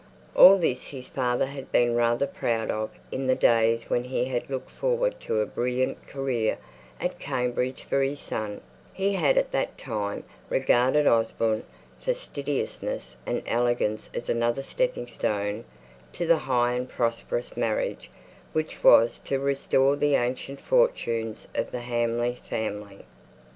All this his father had been rather proud of in the days when he looked forward to a brilliant career at Cambridge for his son; he had at that time regarded Osborne's fastidiousness and elegance as another stepping stone to the high and prosperous marriage which was to restore the ancient fortunes of the Hamley family.